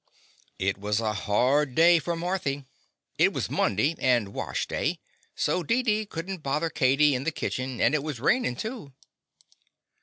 It was a hard day for Marthy. It was Monday, and wash day, so Dee dee could n't bother Katie in the kit chen, and it was rainin' too.